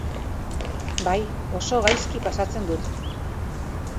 Bai, oso gaizki pasatzen dut.